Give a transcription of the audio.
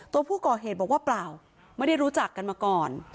ตัวผู้ก่อเหตุบอกว่าเปล่าไม่ได้รู้จักกันมาก่อน